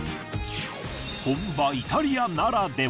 本場イタリアならでは。